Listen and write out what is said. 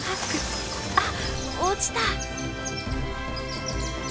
あっ落ちた！